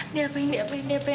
diapain diapain diapain